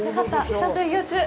ちゃんと営業中。